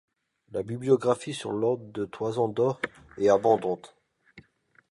La bibliographie sur l'ordre de la Toison d'or est abondante.